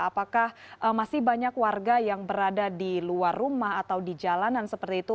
apakah masih banyak warga yang berada di luar rumah atau di jalanan seperti itu